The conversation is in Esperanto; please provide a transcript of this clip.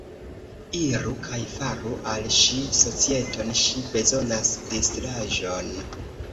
Iru kaj faru al ŝi societon; ŝi bezonas distraĵon.